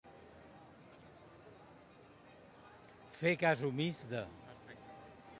Fer cas omís de.